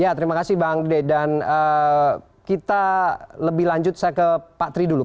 ya terima kasih bang dede dan kita lebih lanjut saya ke pak tri dulu